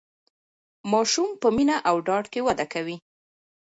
ماسوم په مینه او ډاډ کې وده کوي.